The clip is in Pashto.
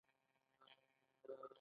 موږ کینوو چې لمسیان وخوري.